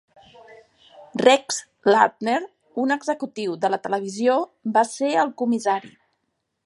Rex Lardner, un executiu de la televisió, va ser el comissari.